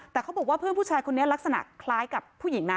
แต่เขาบอกว่าเพื่อนผู้ชายคนนี้ลักษณะคล้ายกับผู้หญิงนะ